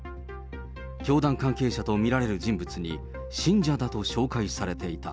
教団関係者と見られる人物に、信者だと紹介されていた。